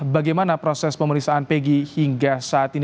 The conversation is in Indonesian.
bagaimana proses pemeriksaan peggy hingga saat ini